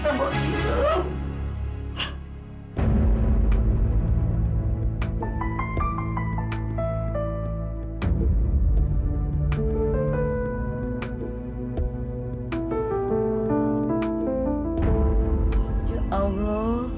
saya tidak hari ini